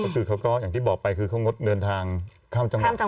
ก็คือเขาก็อย่างที่บอกไปคือเขางดเดินทางข้ามจังหวัด